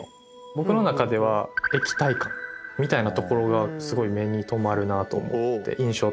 僕の中では液体感みたいなところがすごい目に留まるなと思って印象として。